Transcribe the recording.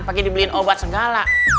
pak kiti beliin obat segala